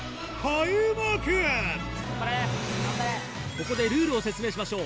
ここでルールを説明しましょう。